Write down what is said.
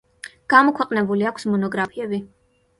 გამოქვეყნებული აქვს მონოგრაფიები.